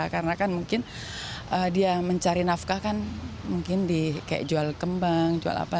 karena kan mungkin dia mencari nafkah kan mungkin di kayak jual kembang jual apa